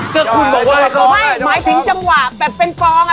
ก็คุณบอกว่าไม่หมายถึงจังหวะแบบเป็นกองอ่ะ